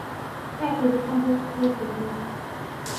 إعطي بقلبك و ليس بجيبك.